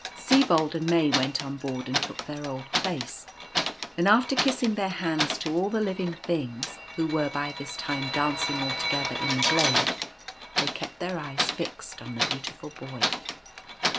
Sibold and May went on board, and took their old place; and after kissing their hands to all the living things — who were by this time dancing all together in the glade — they kept their eyes fixed on the Beautiful Boy.